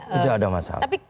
tidak ada masalah